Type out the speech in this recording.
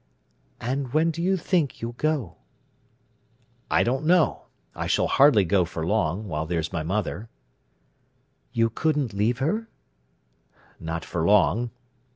"And when do you think you'll go?" "I don't know. I shall hardly go for long, while there's my mother." "You couldn't leave her?" "Not for long."